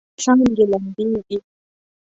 څانګې لمبیږي